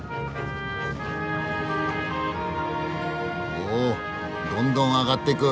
おおどんどん上がってく。